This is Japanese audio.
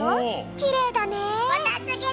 きれいだね。